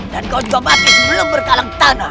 dan kau juga mati sebelum berkalang tanah